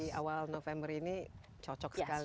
jadi sekarang di awal november ini cocok sekali ya